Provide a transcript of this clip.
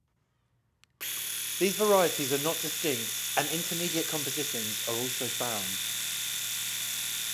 These varieties are not distinct and intermediate compositions are also found.